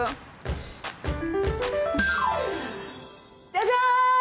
じゃじゃーん！